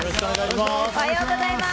おはようございます。